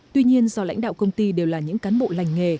tuy nhiên do lãnh đạo công ty đều là những cán bộ lành nghề